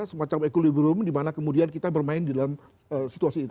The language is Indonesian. semacam equilibrium di mana kemudian kita bermain di dalam situasi itu